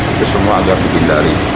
itu semua agar dibhindari